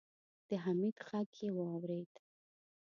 د حميد غږ يې واورېد.